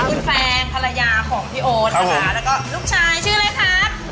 คุณแฟนภรรยาของพี่โอ๊ตนะคะแล้วก็ลูกชายชื่ออะไรครับ